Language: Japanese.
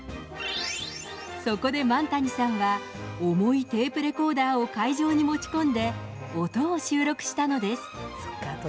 そこで萬谷さんは、重いテープレコーダーを会場に持ち込んで、音を収録したのです。